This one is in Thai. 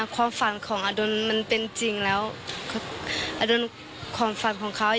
ความฝันของอดุลเป็นจริงแล้วนะคะ